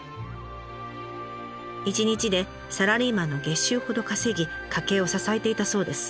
一日でサラリーマンの月収ほど稼ぎ家計を支えていたそうです。